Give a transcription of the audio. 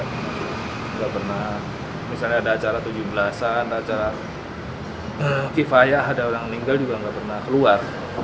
tidak pernah misalnya ada acara tujuh belas an acara kifaya ada orang meninggal juga nggak pernah keluar